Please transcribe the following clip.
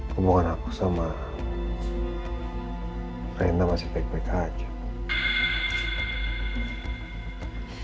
hubungan aku sama rena masih baik baik aja